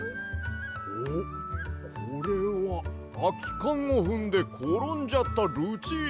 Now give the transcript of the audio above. おっこれはあきかんをふんでころんじゃったルチータか！